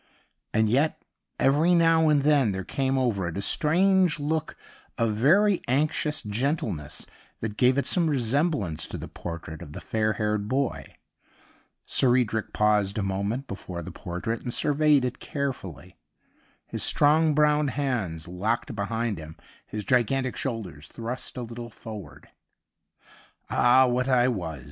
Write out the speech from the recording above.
And yet every now and then there 109 THE UNDYING THING came over it a strange look of very anxious gentleness that gave it some resemblance to the portrait of the fair haired boy. Sir Edric paused a moment before the portrait and surveyed it carefully^ his strong brown hands locked behind him, his gigantic shoulders thrust a little forward. ' Ah^ what I was